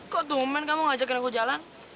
kok cuman kamu ngajakin aku jalan